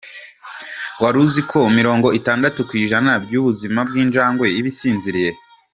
Wari uzi ko mirongo itandatu ku ijana by’ubuzima bw’njangwe iba isinziriye?